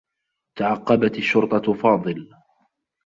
تعقّبت الشّرطة فاضل.